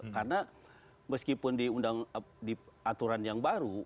karena meskipun di aturan yang baru